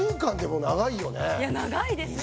いや長いですよ。